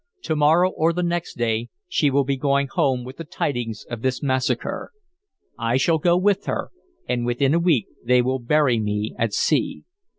"To morrow or the next day she will be going home with the tidings of this massacre. I shall go with her, and within a week they will bury me at sea.